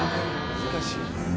難しい。